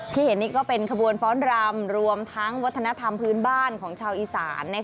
เห็นนี่ก็เป็นขบวนฟ้อนรำรวมทั้งวัฒนธรรมพื้นบ้านของชาวอีสาน